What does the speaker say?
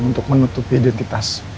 untuk menutupi identitas